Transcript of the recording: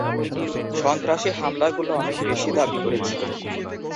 সন্ত্রাসী হামলাগুলো অনেক বেশি দাবি করেছিল।